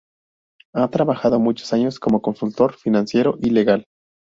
Ha trabajado muchos años como consultor financiero y legal.